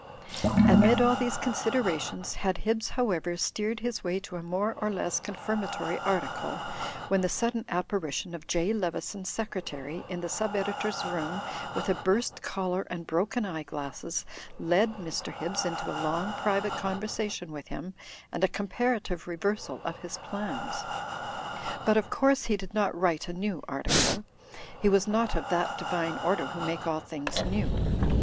Amid all these considerations had Hibbs However steered his way to a more or less confirmatory article, when the sudden apparition of J. Leveson, Secretary, in the sub editor's room with a burst collar and broken eye glasses, led Mr. Hibbs into a long, private conversation HIGHER CRITICISM AND MR./jHIRBS. iQi with him and a comparative reversal of his plans. But of course he did not write a new article; he was not of that divine order who make all things new.